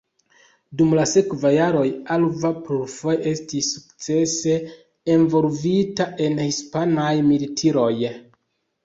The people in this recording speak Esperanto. Dum la sekvaj jaroj Alva plurfoje estis sukcese envolvita en hispanaj militiroj.